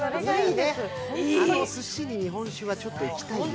あのすしに日本酒はちょっといきたいよ。